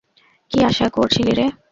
কি আশা করছিলিরে?